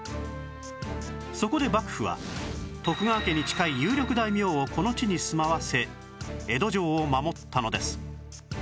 そこで幕府は徳川家に近い有力大名をこの地に住まわせ江戸城を守ったのです